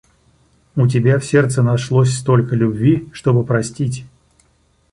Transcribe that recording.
У тебя в сердце нашлось столько любви, чтобы простить...